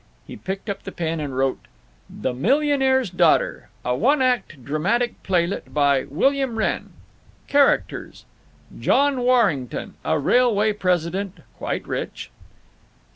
He picked up the pen and wrote: THE MILLIONAIRE'S DAUGHTER A ONE ACT DRAMATIC PLAYLET by WILLIAM WRENN CHARACTERS John Warrington, a railway president; quite rich.